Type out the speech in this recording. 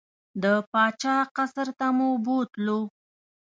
د پاچا قصر ته مو بوتلو.